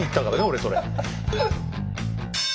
俺それ。